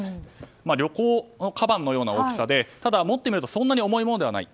旅行かばんのような大きさでただ、持ってみるとそんなに重いものではない。